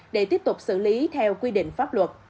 để tiếp tục xử lý theo quy định pháp luật